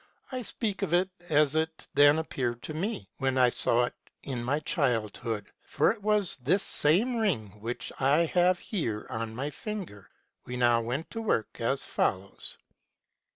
I speak of it as it then appeared to me, when I saw it in my childhood ; for it was this same ring which I have here on my finger. We now went to work as follows.